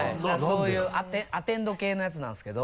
そういうアテンド系のやつなんですけど。